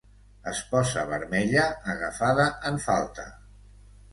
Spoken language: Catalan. Es posa vermella, agafada en falta.